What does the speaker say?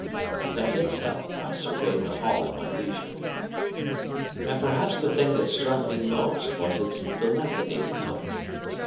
As I did so I surveyed the hall at my leisure. "And perhaps the thing that struck me most was its dilapidated look.